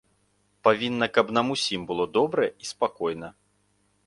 Павінна, каб нам усім было добра і спакойна.